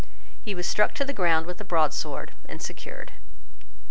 He was struck to the ground with a broadsword, and secured.